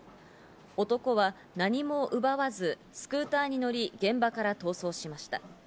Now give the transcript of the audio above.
男は何も奪わずスクーターに乗り、現場から逃走しました。